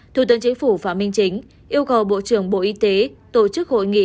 thủ tướng chính phủ phạm minh chính yêu cầu bộ trưởng bộ y tế tổ chức hội nghị